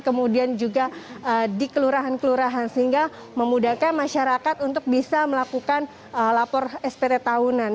kemudian juga di kelurahan kelurahan sehingga memudahkan masyarakat untuk bisa melakukan lapor spt tahunan